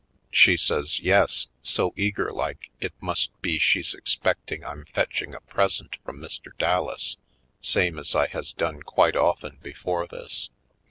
She says yes, so eager like it must be she's ex pecting I'm fetching a present from Mr. Dallas same as I has done quite often be fore this.